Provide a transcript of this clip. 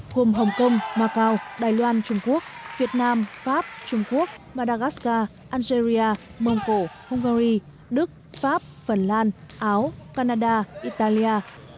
gồm hồng kông macau đài loan trung quốc việt nam pháp trung quốc madagascar algeria mông cổ hungary đức pháp phần lan áo canada italia